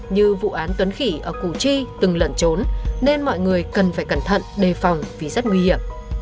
như vụ án tuấn khỉ ở củ chi từng lẩn trốn nên mọi người cần phải cẩn thận đề phòng vì rất nguy hiểm